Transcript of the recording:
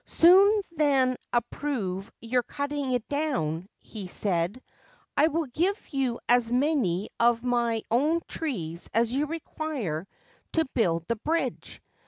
Sooner than approve your cutting it down/ he said, ' I will give you as many of my own trees as you require to build the bridge.